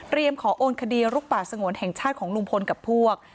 ขอโอนคดีลุกป่าสงวนแห่งชาติของลุงพลกับพวก